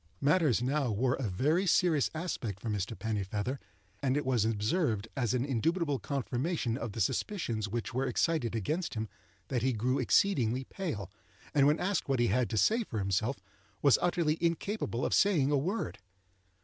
Matters now wore a very serious aspect for Mr. Pennifeather, and it was observed, as an indubitable confirmation of the suspicions which were excited against him, that he grew exceedingly pale, and when asked what he had to say for himself, was utterly incapable of saying a word.